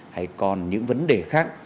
hay còn những vấn đề khác